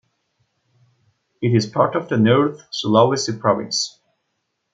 It is part of the North Sulawesi province.